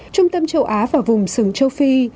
trung tâm châu á và vùng sừng châu phi